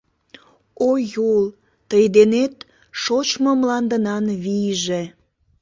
О Юл, тый денет шочмо мландынан вийже